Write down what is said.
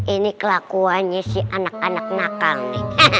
ini kelakuannya si anak anak nakal nih